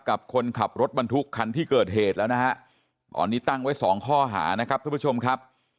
กับคนขับรถบรรทุกคันที่เกิดเหตุแล้วนะฮะตอนนี้ตั้งไว้สองข้อหานะครับทุกผู้ชมครับ